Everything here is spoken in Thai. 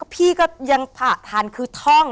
พี่ก็ยังผ่าทานคือท่อง